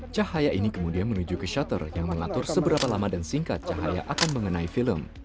cahaya ini kemudian menuju ke shutter yang mengatur seberapa lama dan singkat cahaya akan mengenai film